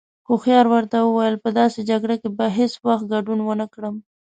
هوښيار ورته وويل: په داسې جگړه کې به هیڅ وخت گډون ونکړم.